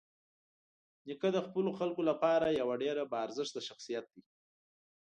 نیکه د خپلو خلکو لپاره یوه ډېره باارزښته شخصيت دی.